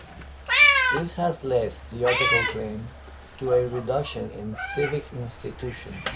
This has led, the article claimed, to a reduction in civic institutions.